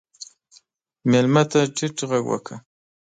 مېلمه ته ټیټ غږ وکړه.